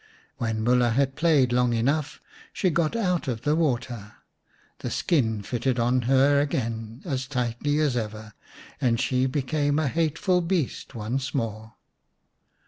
When Mulha had played long enough she got out of the water. The skin fitted on her again as tightly as ever, and she became a hateful beast once more.